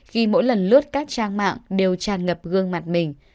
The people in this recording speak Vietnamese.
khi mỗi lần lướt các trang mạng đều tràn ngập gương mặt mình